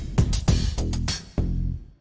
เมื่อกี้ก็ไม่มีเมื่อกี้